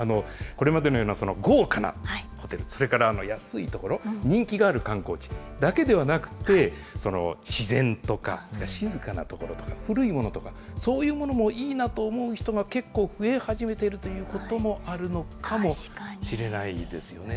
これまでのような豪華なホテル、それから安い所、人気がある観光地だけではなくて、その自然とか、静かな所とか、古いものとか、そういうものもいいなと思う人が結構増え始めているということもあるのかもしれないですよね。